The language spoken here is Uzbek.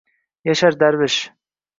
Yashar darvish